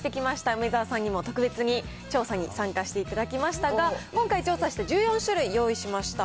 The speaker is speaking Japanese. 梅沢さんにも特別に調査に参加していただきましたが、今回調査した１４種類、用意しました。